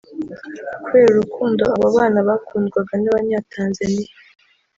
Kubera urukundo aba bana bakundwaga n’abanya Tanzania